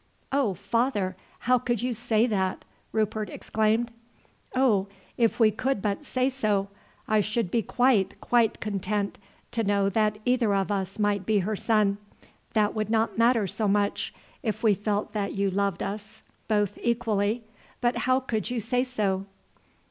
"Oh, father, how could you say that?" Rupert exclaimed. "Oh, if we could but say so! I should be quite, quite content to know that either of us might be her son that would not matter so much if we felt that you loved us both equally; but how could you say so?"